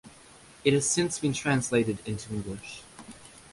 It has since been translated into English.